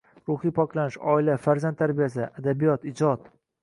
ruhiy poklanish, oila, farzand tarbiyasi, adabiyot, ijod